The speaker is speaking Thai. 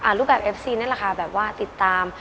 รูปแบบเอฟซีนั่นแหละค่ะแบบว่าติดตาม